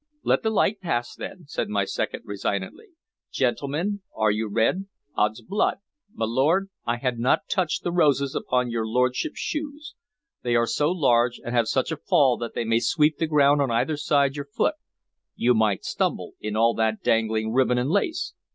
"Let the light pass, then," said his second resignedly. "Gentlemen, are you read Ods blood! my lord, I had not noticed the roses upon your lordship's shoes! They are so large and have such a fall that they sweep the ground on either side your foot; you might stumble in all that dangling ribbon and lace.